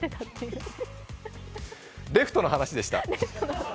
レフトの話でした。